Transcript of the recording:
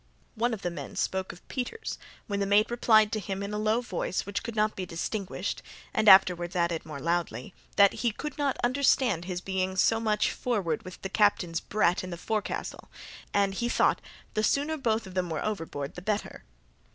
One of the men spoke of Peters, when the mate replied to him in a low voice which could not be distinguished, and afterward added more loudly, that "he could not understand his being so much forward with the captain's brat in the forecastle, and he thought the sooner both of them were overboard the better."